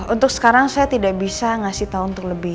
untuk sekarang saya tidak bisa ngasih tahu untuk lebih